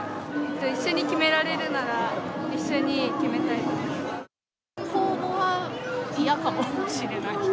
一緒に決められるなら、公募は嫌かもしれない。